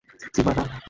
Simba, না!